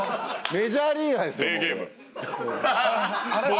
メジャーリーガーですよもう。